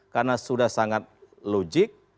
karena sudah sangat logik